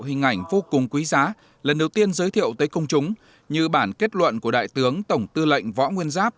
hình ảnh vô cùng quý giá lần đầu tiên giới thiệu tới công chúng như bản kết luận của đại tướng tổng tư lệnh võ nguyên giáp